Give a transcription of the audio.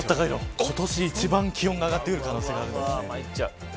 今年一番気温が上がってくる可能性があります。